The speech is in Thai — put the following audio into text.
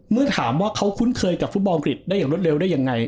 เมื่อถามว่าเขาคุ้นเคยกับฟุตบอลอังกฤษได้อย่างรวดเร็วได้ยังไง